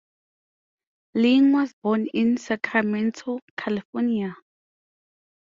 Ling was born in Sacramento, California.